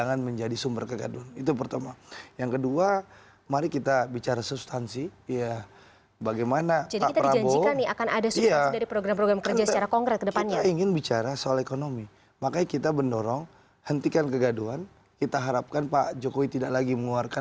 atau belum siap kali